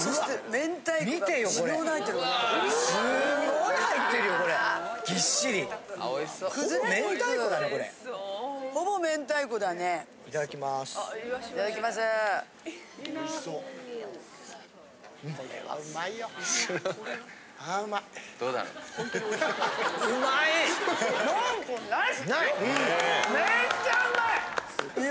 めっちゃうまい！